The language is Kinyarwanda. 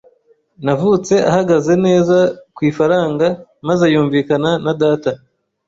navutse ahagaze neza ku ifaranga. Maze yumvikana na data